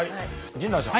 陣内さん。